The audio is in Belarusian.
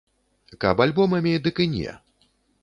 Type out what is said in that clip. Каб альбомамі, дык і не.